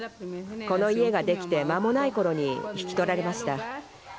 この家が出来て間もないころに引き取られました。